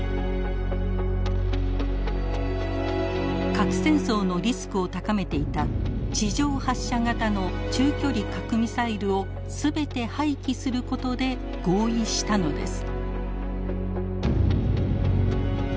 核戦争のリスクを高めていた地上発射型の中距離核ミサイルを全て廃棄することで合意したのです。